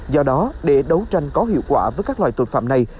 do đó để đấu tranh có hiệu quả với các loại tội phạm này